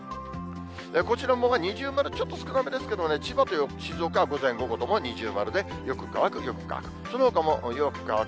こちらも二重丸、少なめですけれどもね、千葉と静岡は午前、午後とも二重丸でよく乾く、よく乾く。